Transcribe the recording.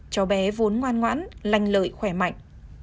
cháu bé vốn ngoan ngoãn lành lợi khỏe mạnh